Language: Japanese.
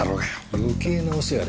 余計なお世話だ。